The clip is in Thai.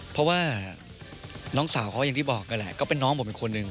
เพราะว่าน้องสาวเขาอย่างที่บอกกันแหละก็เป็นน้องผมอีกคนนึง